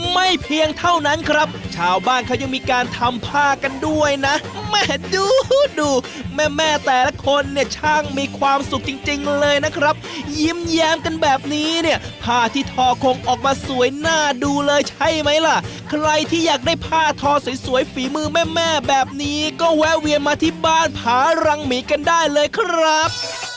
ไม่เพียงเท่านั้นครับชาวบ้านเขายังมีการทำผ้ากันด้วยนะแม่ดูดูแม่แม่แต่ละคนเนี่ยช่างมีความสุขจริงจริงเลยนะครับยิ้มแย้มกันแบบนี้เนี่ยผ้าที่ทอคงออกมาสวยหน้าดูเลยใช่ไหมล่ะใครที่อยากได้ผ้าทอสวยสวยฝีมือแม่แม่แบบนี้ก็แวะเวียนมาที่บ้านผารังหมีกันได้เลยครับ